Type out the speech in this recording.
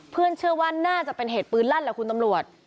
เชื่อว่าน่าจะเป็นเหตุปืนลั่นแหละคุณตำรวจ